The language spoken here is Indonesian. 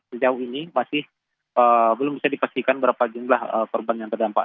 sejauh ini masih belum bisa dipastikan berapa jumlah korban yang terdampak